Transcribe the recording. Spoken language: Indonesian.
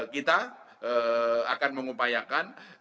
kita akan mengupayakan